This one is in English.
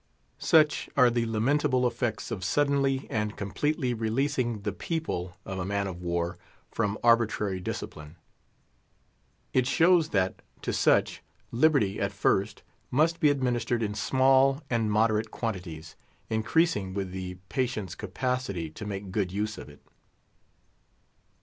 Such are the lamentable effects of suddenly and completely releasing "the people" of a man of war from arbitrary discipline. It shows that, to such, "liberty," at first, must be administered in small and moderate quantities, increasing with the patient's capacity to make good use of it.